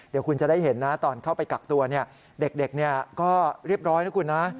เดี๋ยวคุณจะได้เห็นนะตอนเข้าไปกักตัวเด็กก็เรียบร้อยนะคุณนะ